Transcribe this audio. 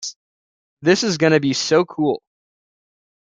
This is gonna be so cool.